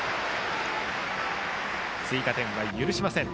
追加点は許しません。